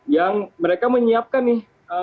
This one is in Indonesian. yang mereka menyiapkan nih